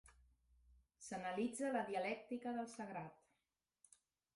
S'analitza la dialèctica del sagrat.